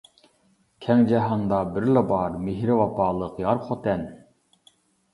كەڭ جاھاندا بىرلا بار مېھرى ۋاپالىق يار خوتەن.